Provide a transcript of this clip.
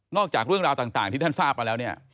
จากเรื่องราวต่างที่ท่านทราบมาแล้วเนี่ย